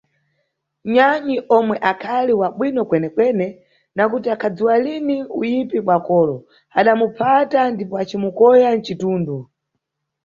Nyanyi omwe akhali wa bwino kwene-kwene, nakuti akhadziwa lini uyipi bwa kolo, adamuphata ndipo acimukoya mcitundu.